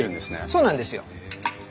そうなんですよ。